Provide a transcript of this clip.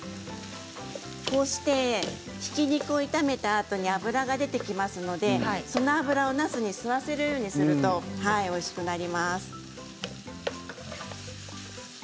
ひき肉を炒めたあとに油が出てきますのでその油を、なすに吸わせるようにするとおいしくなります。